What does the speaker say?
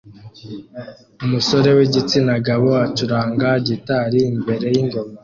Umusore wigitsina gabo acuranga gitari imbere yingoma